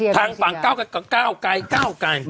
ทางฝั่งเก้าไก่เก้าไก่เก้าไก่